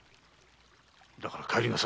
だから帰りなさい。